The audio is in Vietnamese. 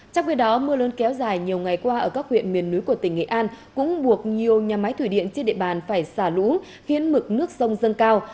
trong khi đó mưa lớn kéo dài nhiều ngày qua ở các huyện miền núi của tỉnh nghệ an cũng buộc nhiều nhà máy thủy điện trên địa bàn phải xả lũ khiến mực nước sông dâng cao